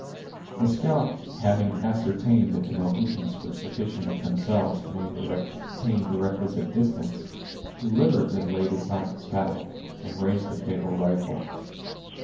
The scout having ascertained that the Mohicans were sufficient of themselves to maintain the requisite distance, deliberately laid aside his paddle, and raised the fatal rifle.